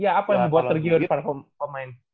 ya apa yang buat tergiur di depan pemain